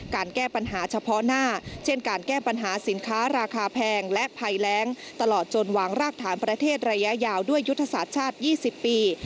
การแก้ปัญหาเฉพาะหน้าเช่นการแก้ปัญหาสินค้าราคาแพงและภัยแรงตลอดจนวางรากฐานประเทศระยะยาวด้วยยุทธศาสตร์ชาติ๒๐ปี